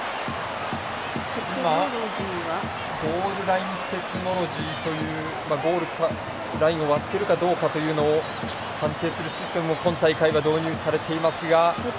ゴールラインテクノロジーというゴールラインを割っているかどうかっていうのを判定するシステムも今大会は導入されていますが。